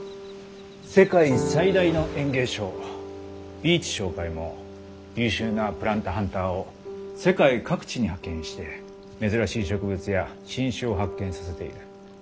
世界最大の園芸商ヴィーチ商会も優秀なＰｌａｎｔｈｕｎｔｅｒを世界各地に派遣して珍しい植物や新種を発見させている。